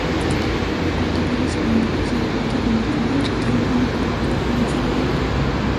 En cuanto a medios de comunicación, cuenta con Internet, red telefónica y telefonía celular.